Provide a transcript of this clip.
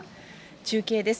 中継です。